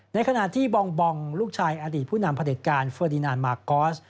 ในขณะที่บองบองลูกชายอดีตผู้นำพระเด็จการเฟอร์ดีนานมากอส